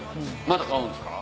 また買うんですか？